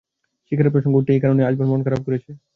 শিকারের প্রসঙ্গ উঠতেই এই কারণেই আজমল মন খারাপ করেছে।